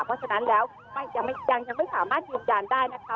เพราะฉะนั้นแล้วยังไม่สามารถยืนยันได้นะคะ